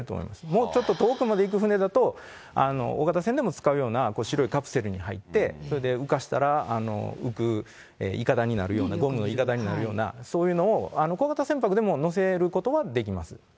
もうちょっと遠くまで行く船だと、大型船でも使うような白いカプセルに入って、それで浮かしたら浮くいかだになるような、ゴムのいかだになるような、そういうのを、小型船舶でも載せることはできます。